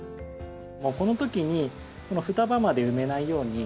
もうこの時にこの双葉まで埋めないように。